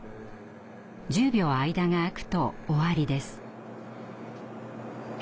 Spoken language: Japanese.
１０秒間が空くと終わりです。